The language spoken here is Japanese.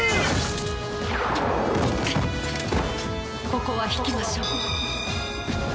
ここは引きましょう。